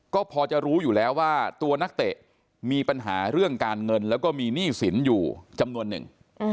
ก็พอจะรู้อยู่แล้วว่าตัวนักเตะมีปัญหาเรื่องการเงินแล้วก็มีหนี้สินอยู่จำนวนหนึ่ง